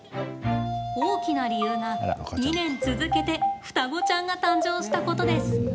大きな理由が、２年続けて双子ちゃんが誕生したことです。